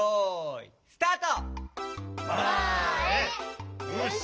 よしよいスタート！